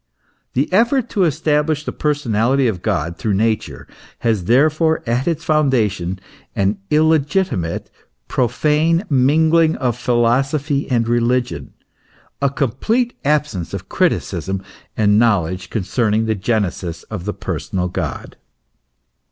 The effort to establish the personality of God through Nature, has therefore at its foundation an illegitimate, profane mingling of philosophy and religion, a complete absence of criticism and knowledge concerning the genesis of the personal God.